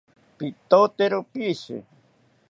Pitotero pishi